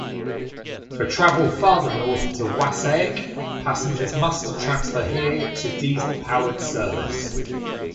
For travel farther north to Wassaic, passengers must transfer here to diesel powered service.